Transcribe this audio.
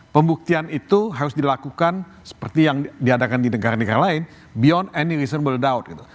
pembuktian itu harus dilakukan seperti yang diadakan di negara negara lain beyond anysiable doub gitu